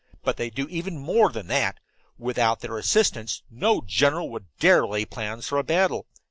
But they do even more than that. Without their assistance no general would dare lay plans for a battle.